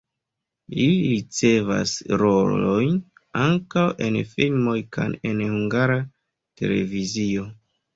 Li ricevas rolojn ankaŭ en filmoj kaj en Hungara Televizio.